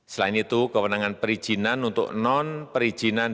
selain itu kewenangan perizinan untuk non perizinan